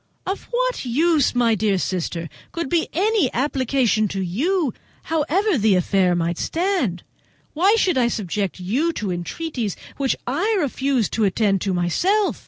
"Of what use, my dear sister, could be any application to you, however the affair might stand? Why should I subject you to entreaties which I refused to attend to myself?